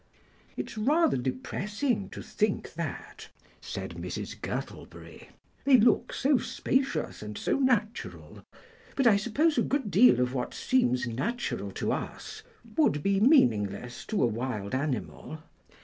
"It's rather depressing to think that," said Mrs. Gurtleberry; "they look so spacious and so natural, but I suppose a good deal of what seems natural to us would be meaningless to a wild animal."